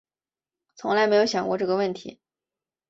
从来没有想过这个问题